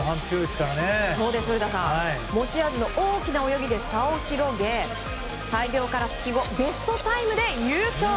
持ち味の大きな泳ぎで差を広げ大病から復帰後ベストタイムで優勝！